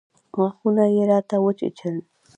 غاښونه يې راته وچيچل.